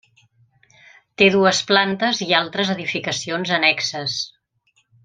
Té dues plantes i altres edificacions annexes.